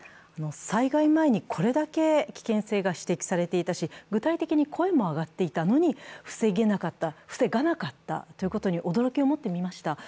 災害前にこれだけ危険性が指摘されていたし、具体的に声も上がっていたのに、防げなかった、防げなかったことに驚きを持って見ました。